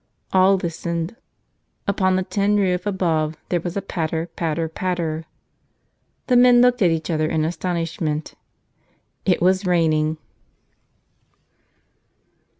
All listened. Upon the tin roof above there was a patter, patter, patter. The men looked at each other in astonishment. It was raining!